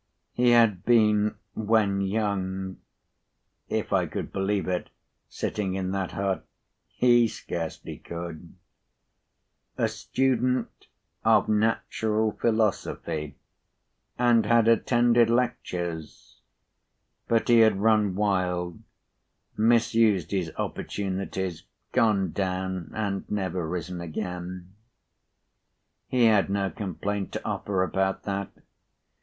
He had been, when young (if I could believe it, sitting in that hut; he scarcely could), a student of natural philosophy, and had attended lectures; but he had run wild, misused his opportunities, gone down, and never risen again. He had no complaint to offer about that.